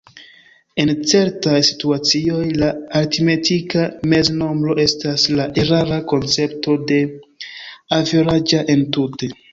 En certaj situacioj, la aritmetika meznombro estas la erara koncepto de "averaĝa" entute.